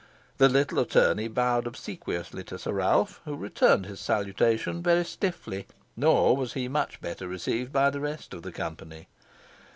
The little attorney bowed obsequiously to Sir Ralph, who returned his salutation very stiffly, nor was he much better received by the rest of the company.